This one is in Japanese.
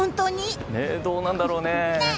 どうなんだろうね。